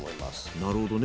なるほどね。